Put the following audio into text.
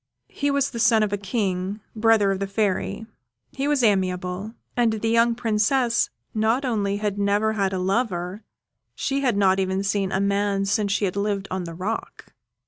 He was the son of a King, brother of the Fairy; he was amiable; and the young Princess not only had never had a lover, she had not even seen a man since she had lived on the rock.